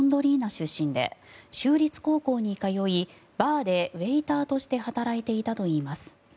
出身で州立高校に通いバーでウェーターとして働いていたといいます。